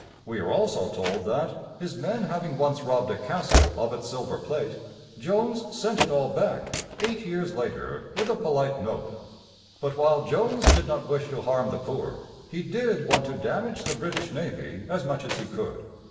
We are also told that, his men having once robbed a castle of its silver plate, Jones sent it all back, eight years later, with a polite note. But while Jones did not wish to harm the poor, he did want to damage the British navy as much as he could.